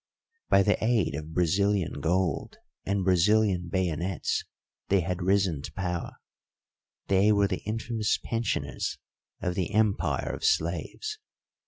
By the aid of Brazilian gold and Brazilian bayonets they had risen to power; they were the infamous pensioners of the empire of slaves.